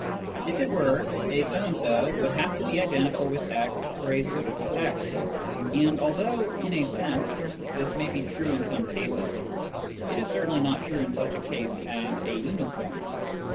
If it were, " a so and so " would have to be identical with x for a suitable x ; and although (in a sense) this may be true in some cases, it is certainly not true in such a case as " a unicorn."